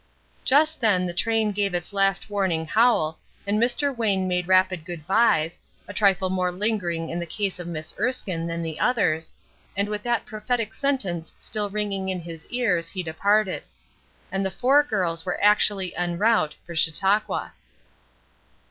Just then the train gave its last warning howl, and Mr. Wayne made rapid good bys, a trifle more lingering in the case of Miss Erskine than the others, and with that prophetic sentence still ringing in his ears he departed. And the four girls were actually en route for Chautauqua.